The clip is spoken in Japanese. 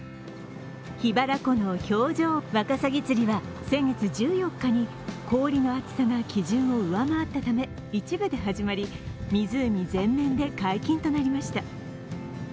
桧原湖の氷上ワカサギ釣りは先月１４日に氷の厚さが基準を上回ったため、一部で始まり湖全面で解禁となりました。